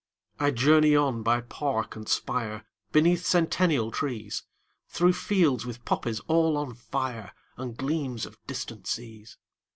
20 I journey on by park and spire, Beneath centennial trees, Through fields with poppies all on fire, And gleams of distant seas.